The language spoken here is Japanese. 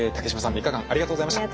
３日間ありがとうございました。